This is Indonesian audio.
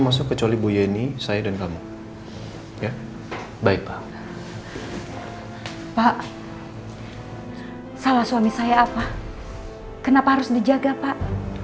masuk kecuali bu yeni saya dan kamu ya baik pak pak sama suami saya apa kenapa harus dijaga pak